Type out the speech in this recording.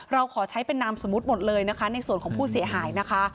เราขอใช้เป็นนามสมมุติหมดเลยนะคะในส่วนของผู้เสียหายนะคะ